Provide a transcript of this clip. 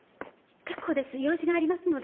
結構です用事がありますので。